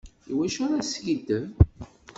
Iwacu ara teskiddeb?